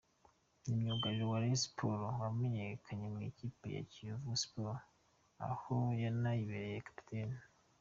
Ni myugariro wa Rayon Sports wamenyekaniye mu ikipe ya Kiyovu Sports aho yanayibereye kapiteni.